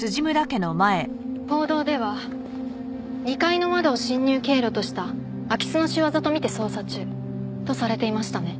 報道では２階の窓を侵入経路とした空き巣の仕業と見て捜査中とされていましたね。